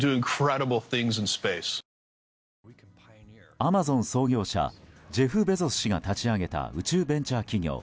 アマゾン創業者ジェフ・ベゾス氏が立ち上げた宇宙ベンチャー企業